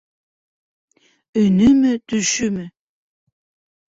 Өнөмө, төшөмө?!